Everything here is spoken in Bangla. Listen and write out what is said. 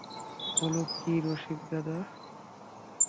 বল কী রসিকদাদা?